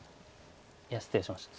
いや失礼しました。